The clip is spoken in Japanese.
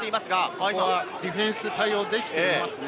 ここはディフェンス対応できていますね。